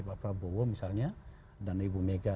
pak prabowo misalnya dan ibu mega